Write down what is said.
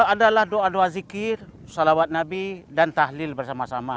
adalah doa doa zikir salawat nabi dan tahlil bersama sama